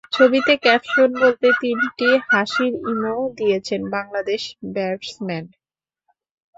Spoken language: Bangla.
ছবিতে ক্যাপশন বলতে তিনটি হাসির ইমো দিয়েছেন বাংলাদেশ ব্যাটসম্যান।